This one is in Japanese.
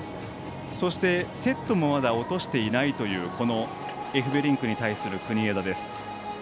そして、セットもまだ落としていないというこのエフベリンクに対する国枝です。